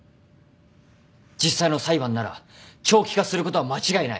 実際の裁判なら長期化することは間違いない。